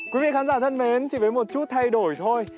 quý vị khán giả thân mến chỉ với một chút thay đổi thôi